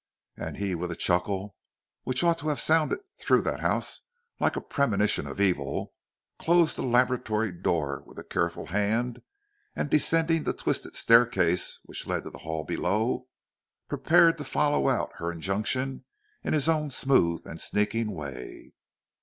And he, with a chuckle which ought to have sounded through that house like a premonition of evil, closed the laboratory door with a careful hand, and descending the twisted staircase which led to the hall below, prepared to follow out her injunction in his own smooth and sneaking way.